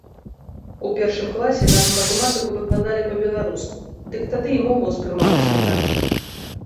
У першым класе нам матэматыку выкладалі па-беларуску, дык тады і мова ўспрымалася інакш.